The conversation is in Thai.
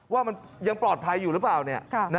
ว่ามันยังปลอดภัยอยู่หรือเปล่า